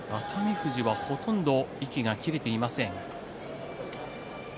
富士はほとんど息が切れていません。